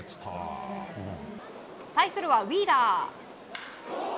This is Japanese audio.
対するは、ウィーラー。